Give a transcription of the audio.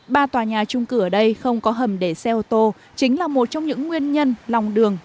ba tòa nhà trung cử ở đây không có hầm để xe ô tô chính là một trong những nguyên nhân lòng đường